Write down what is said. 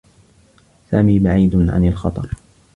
سامي بعيد عن الخطر.